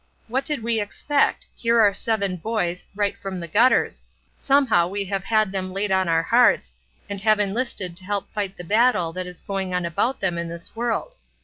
"What did we expect? Here are seven boys, right from the gutters; somehow we have had them laid on our hearts, and have enlisted to help fight the battle that is going on about them in this world.